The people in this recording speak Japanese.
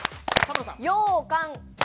ようかん。